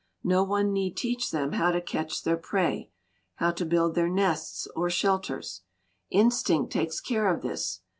No one need teach them how to catch their prey, how to build their nests or shelters. Instinct takes care of this.